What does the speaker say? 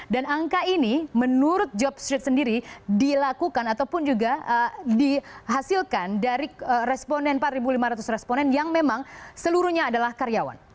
angka ini menurut job street sendiri dilakukan ataupun juga dihasilkan dari responden empat lima ratus responden yang memang seluruhnya adalah karyawan